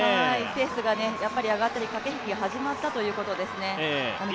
ペースが上がったり駆け引きが始まったということですね。